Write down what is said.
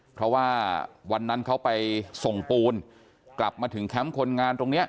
เพราะว่าวันนั้นเขาไปส่งปูนกลับมาถึงแคมป์คนงานตรงนี้